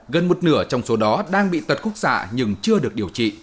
gần một nửa trong số đó đang bị tật khúc xạ nhưng chưa được điều trị